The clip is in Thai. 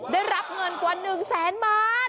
ได้รับเงินกว่า๑แสนบาท